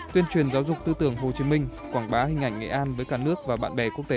tuyên truyền giáo dục tư tưởng hồ chí minh quảng bá hình ảnh nghệ an với cả nước và bạn bè quốc tế